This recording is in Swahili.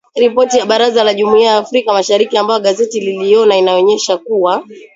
Ripoti ya Baraza la jumuia ya Afrika mashariki ambayo gazeti iliiona inaonyesha kuwa